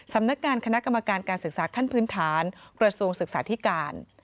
สำนักงานคณะกรรมการการศึกษาขั้นพื้นฐานกระทรวงศึกษาธิการ